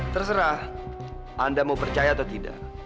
terserah anda mau percaya atau tidak